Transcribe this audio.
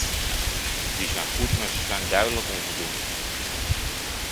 Die zijn goed, maar ze zijn duidelijk onvoldoende.